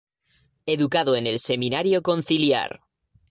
Educado en el Seminario Conciliar.